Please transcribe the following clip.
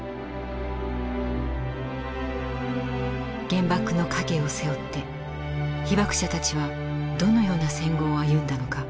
原爆の影を背負って被爆者たちはどのような戦後を歩んだのか。